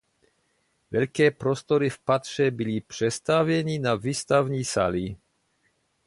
Velké prostory v patře byly přestavěny na výstavní sály.